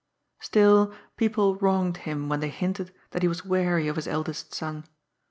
Still, people wronged him when they hinted that he was weary of his eldest son.